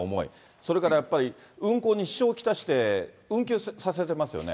それからやっぱり、運行に支障を来して、運休させていますよね。